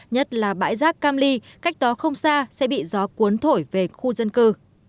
nhất là bãi rác cam ly cách đó không xa sẽ bị gió cuốn thổi về khu dân cư